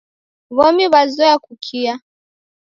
W'omi w'azoya kukia.